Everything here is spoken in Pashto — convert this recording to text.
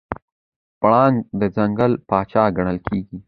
پړانګ د ځنګل پاچا ګڼل کېږي.